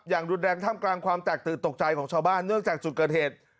อย่างรุนแรงท่ามกลางความแตกตื่นตกใจของชาวบ้านเนื่องจากจุดเกิดเหตุ